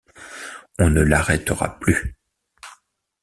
On ne l’arrêtera plus.